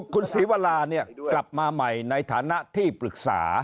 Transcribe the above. คุณศิวาราเนี่ยกลับมาใหม่ในฐานะที่ปรึกษา